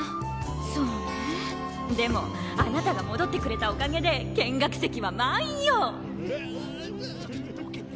そうねでもあなたが戻ってくれたおかげで見学席は満員よ。